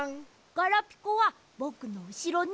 ガラピコはぼくのうしろね。